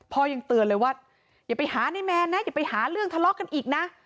ยังเตือนเลยว่าอย่าไปหาในแมนนะอย่าไปหาเรื่องทะเลาะกันอีกนะ